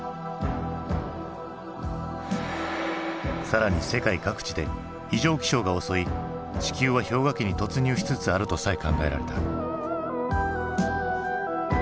更に世界各地で異常気象が襲い地球は氷河期に突入しつつあるとさえ考えられた。